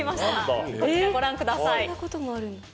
そんなこともあるんだ。